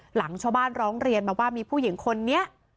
หลังชาวบ้านร้องเรียนมาว่ามีผู้หญิงคนนี้